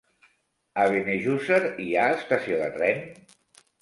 A Benejússer hi ha estació de tren?